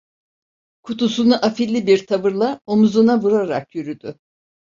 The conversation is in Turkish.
Kutusunu afili bir tavırla omuzuna vurarak yürüdü.